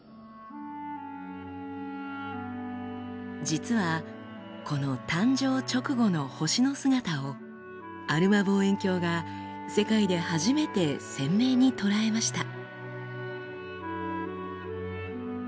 実はこの誕生直後の星の姿をアルマ望遠鏡が世界で初めて鮮明に捉えました。